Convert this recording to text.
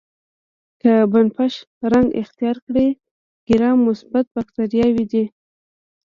که بنفش رنګ اختیار کړي ګرام مثبت باکتریاوې دي.